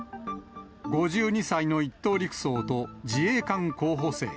５２歳の１等陸曹と、自衛官候補生。